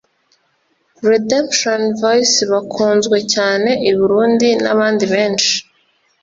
Redemption Voice bakunzwe cyane i Burundi n'abandi benshi